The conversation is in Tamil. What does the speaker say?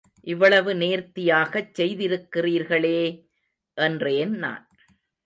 இவ்வளவு நேர்த்தியாகச் செய்திருக்கிறீர்களே! என்றேன் நான்.